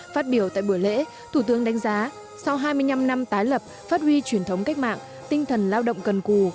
phát biểu tại buổi lễ thủ tướng đánh giá sau hai mươi năm năm tái lập phát huy truyền thống cách mạng tinh thần lao động cần cù